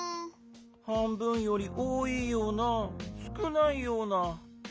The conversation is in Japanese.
はんぶんよりおおいようなすくないような。